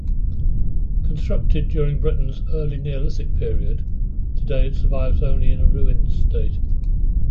Constructed during Britain's Early Neolithic period, today it survives only in a ruined state.